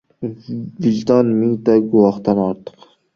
Vijdon – mingta guvohdan ortiq.